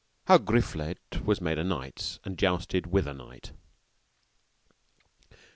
How Griflet was made knight, and jousted with a knight.